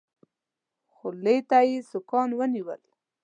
خولې ته يې سوکان ونيول.